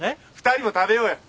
２人も食べようよ。